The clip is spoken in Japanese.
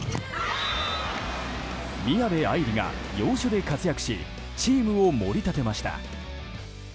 宮部藍梨が要所で活躍しチームを盛り立てました。